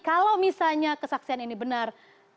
kalau misalnya kesaksian ini benar